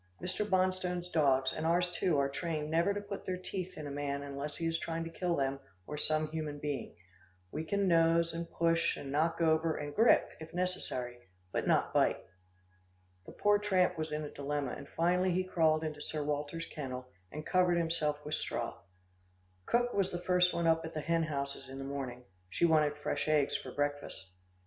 Mr. Bonstone's dogs, and ours too, are trained never to put their teeth in a man unless he is trying to kill them, or some human being. We can nose, and push, and knock over, and grip, if necessary, but not bite. The poor tramp was in a dilemma, and finally he crawled into Sir Walter's kennel, and covered himself with straw. Cook was the first one up at the hen houses in the morning. She wanted fresh eggs for breakfast.